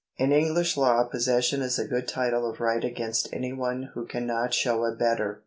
In English law possession is a good title of right against anj'^ one who cannot show a better.